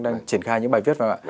đang triển khai những bài viết